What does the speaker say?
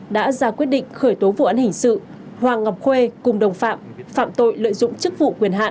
đã ra quyết định khởi tố vụ án hình sự hoàng ngọc khuê cùng đồng phạm phạm tội lợi dụng chức vụ quyền hạn